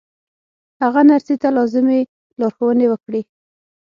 هغه نرسې ته لازمې لارښوونې وکړې